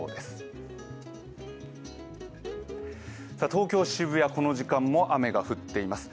東京・渋谷、この時間も雨が降っています。